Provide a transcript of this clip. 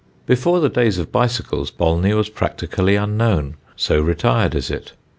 Before the days of bicycles Bolney was practically unknown, so retired is it.